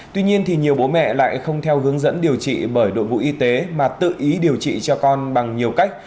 tuy nhiên thì nhiều bố mẹ lại không theo hướng dẫn điều trị bởi đội vụ y tế mà tự ý điều trị cho con bằng nhiều cách